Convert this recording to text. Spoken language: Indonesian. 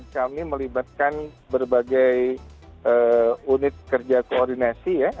kami melibatkan berbagai unit kerja koordinasi ya